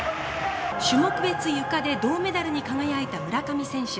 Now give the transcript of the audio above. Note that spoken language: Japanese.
種目別ゆかで銅メダルに輝いた村上選手。